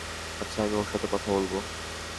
আচ্ছা, আমি ওর সাথে কথা বলব।